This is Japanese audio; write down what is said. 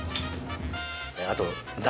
あと。